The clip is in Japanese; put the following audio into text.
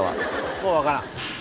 もう分からん。